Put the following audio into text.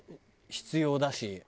必要だし。